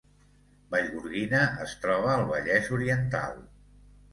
Vallgorguina es troba al Vallès Oriental